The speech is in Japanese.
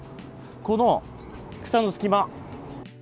この草のすき間。